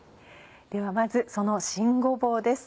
ではまずその新ごぼうです。